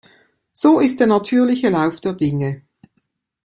So ist der natürliche Lauf der Dinge.